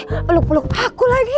harus terterenggara dengan lontar needs